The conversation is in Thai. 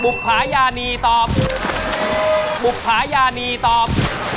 บุคพายาณีตอบบุคพายาณีตอบ